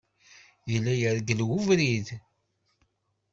Yella yergel abrid.